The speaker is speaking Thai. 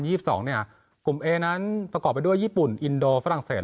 ยี่สิบสองเนี่ยกลุ่มเอนั้นประกอบไปด้วยญี่ปุ่นอินโดฝรั่งเศส